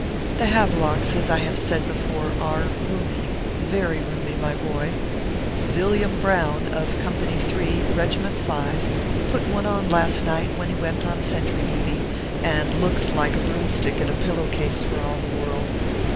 The Havelocks, as I have said before, are roomy very roomy, my boy. Villiam Brown, of Company 3, Regiment 5, put one on last night, when he went ORPHEUS C. KERR PAPERS. 43 on sentry duty, and looked like a broomstick in a pillow case, for all the world.